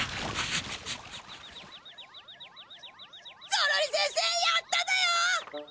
ゾロリせんせやっただよ！